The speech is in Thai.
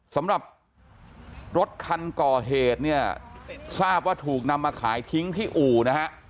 สำหรับรถคันก่อเหตุเนี่ยทราบว่าถูกนำมาขายทิ้งที่อู่นะฮะ